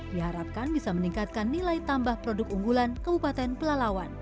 diharapkan bisa meningkatkan nilai tambah produk unggulan kabupaten pelalawan